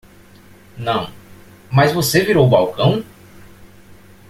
Não, mas você virou o balcão?